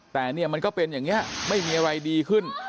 แต่เนี่ยมันก็เป็นอย่างนี้ไม่มีอะไรดีขึ้น